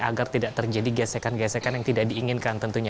agar tidak terjadi gesekan gesekan yang tidak diinginkan tentunya